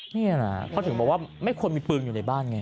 นี่นะเขาถึงบอกว่าไม่ควรมีปืนอยู่ในบ้านไง